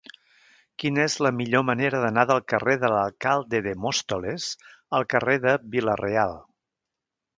Quina és la millor manera d'anar del carrer de l'Alcalde de Móstoles al carrer de Vila-real?